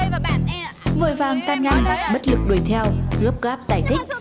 vội vàng tan nhan bất lực đuổi theo hướp gáp giải thích